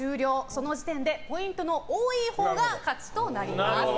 その時点でポイントの多いほうが勝ちとなります。